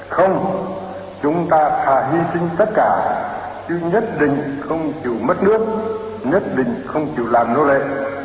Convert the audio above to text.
không chúng ta thà hy sinh tất cả chứ nhất định không chịu mất nước nhất định không chịu làm nô lệ